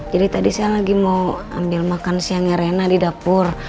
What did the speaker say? jadi tadi saya lagi mau ambil makan siangnya rena di dapur